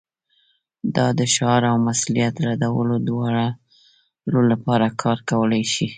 دا د شعار او مسؤلیت ردولو دواړو لپاره کار کولی شي